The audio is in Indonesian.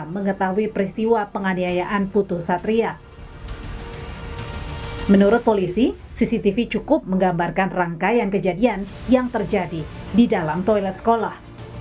menurut polisi cctv cukup menggambarkan rangkaian kejadian yang terjadi di dalam toilet sekolah